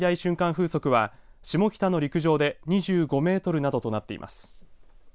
風速は下北の陸上で２５メートルなどとなっています。